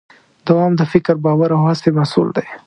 دوام د فکر، باور او هڅې محصول دی.